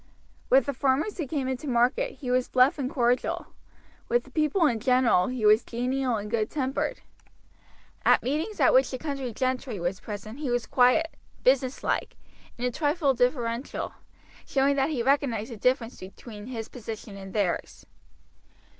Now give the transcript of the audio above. With the farmers who came into market he was bluff and cordial; with the people in general he was genial and good tempered. At meetings at which the county gentry were present he was quiet, businesslike, and a trifle deferential, showing that he recognized the difference between his position and theirs.